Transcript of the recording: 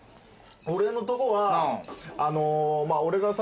俺のとこは。